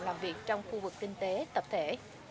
làm việc trong khu vực kinh tế tập thể